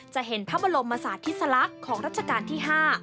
จะเห็นภาพบรมศาสตร์ธิสลักษณ์ของรัชกาลที่ห้า